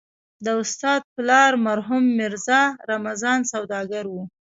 د استاد پلار مرحوم ميرزا رمضان سوداګر و.